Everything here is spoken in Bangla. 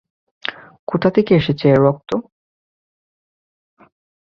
কোথা থেকে আসছে এ রক্ত?